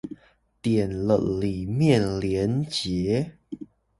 點了裡面連結